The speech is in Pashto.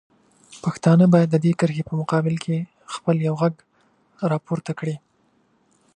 پښتانه باید د دې کرښې په مقابل کې خپل یو غږ راپورته کړي.